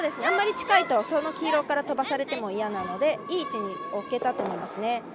あまり近いとその黄色から飛ばされても嫌なのでいい位置に置けたと思います。